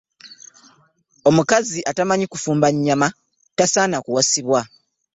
Omukazi atamanyi kufumba nnyama tasaana kuwasibwa.